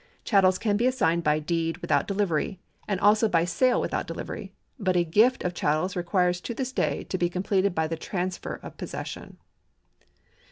Chattels can be assigned by deed without delivery, and also by sale without delivery. But a gift of chattels requires to this day to be completed by the transfe of possession.